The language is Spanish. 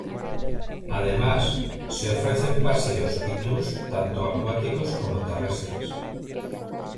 Además, se ofrecen paseos y tours tanto acuáticos como terrestres.